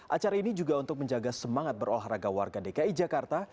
acara ini juga untuk menjaga semangat berolahraga warga dki jakarta